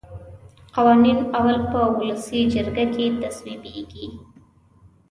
قوانین اول په ولسي جرګه کې تصویبیږي.